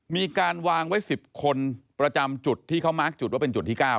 มีการวางไว้๑๐คนประจำจุดที่เขามาร์คจุดว่าเป็นจุดที่๙